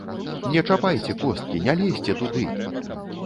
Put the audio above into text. Не чапайце косткі, не лезьце туды!